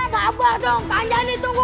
sabar dong kak anjani tunggu